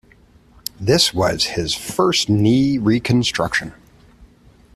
This was his first knee reconstruction.